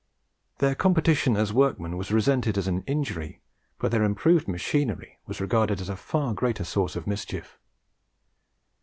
Their competition as workmen was resented as an injury, but their improved machinery was regarded as a far greater source of mischief.